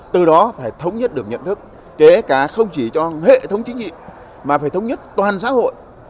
từ đó phải thống nhất được nhận thức kể cả không chỉ cho hệ thống chính trị mà phải thống nhất toàn xã hội